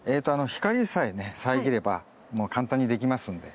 光さえね遮ればもう簡単にできますんで。